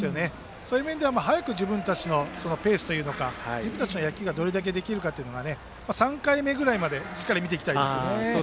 そういう面では早く自分たちのペースというか自分たちの野球がどれだけできるかというのを３回目ぐらいまでしっかり見ていきたいですね。